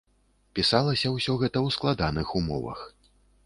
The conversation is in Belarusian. Пісалася ўсё гэта ў складаных умовах.